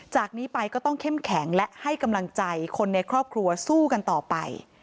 จากนี้ไปก็ต้องเข้มแข็งและให้กำลังใจคนในครอบครัวสู้กันต่อไป